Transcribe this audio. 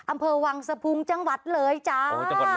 อำเภอวังสะพุงจังหวัดเลยจ้า